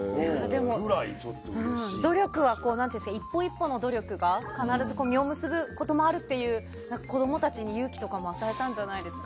１本１本の努力が必ず実を結ぶこともあるっていう子供たちに勇気を与えたんじゃないですか。